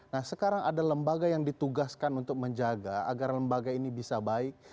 nah sekarang ada lembaga yang ditugaskan untuk menjaga agar lembaga ini bisa baik